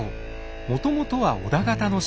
もともとは織田方の城。